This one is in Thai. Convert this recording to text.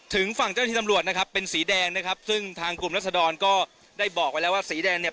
ถึงฝั่งเจ้าที่ตำรวจนะครับเป็นสีแดงนะครับซึ่งทางกลุ่มรัศดรก็ได้บอกไว้แล้วว่าสีแดงเนี่ย